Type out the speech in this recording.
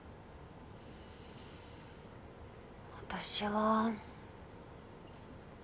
私は。